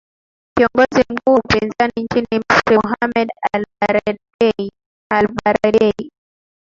kiongozi mkuu wa upinzani nchini misri mohamed elbaradei